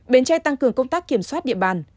bến tre tăng cường công tác kiểm soát địa bàn